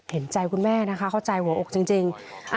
เห็นใจคุณแม่นะคะเข้าใจหัวอกจริง